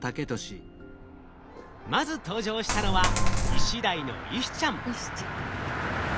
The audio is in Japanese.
まず登場したのはイシちゃん。